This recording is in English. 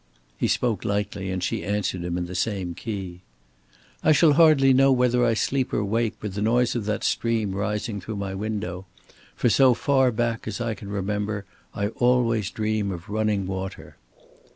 He spoke lightly, and she answered him in the same key. "I shall hardly know whether I sleep or wake, with the noise of that stream rising through my window. For so far back as I can remember I always dream of running water."